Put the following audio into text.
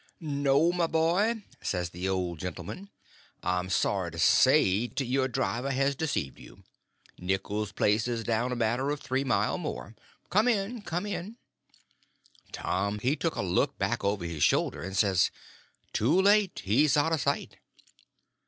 "No, my boy," says the old gentleman, "I'm sorry to say 't your driver has deceived you; Nichols's place is down a matter of three mile more. Come in, come in." Tom he took a look back over his shoulder, and says, "Too late—he's out of sight."